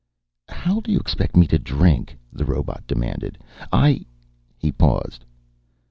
"How do you expect me to drink?" the robot demanded. "I " He paused.